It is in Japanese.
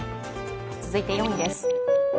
続いて４位です。